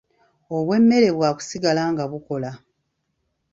Obw’emmere bwakusigala nga bukola.